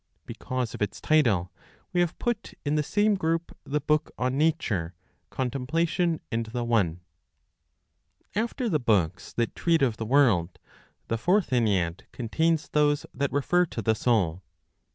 Because of its title, we have put in the same group the book on Nature, Contemplation, and the One. After the books that treat of the world, the Fourth Ennead contains those that refer to the soul.